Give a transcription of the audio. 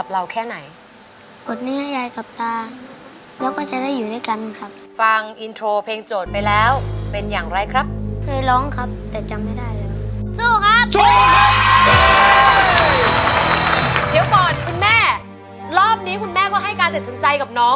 แล้วคุณแม่ก็ให้การเด็ดสนใจกับน้องเหรอฮะ